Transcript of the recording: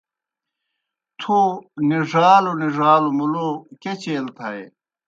تھو نِڙالوْ نِڙالوْ مُلو کیْہ چیل تھائے۔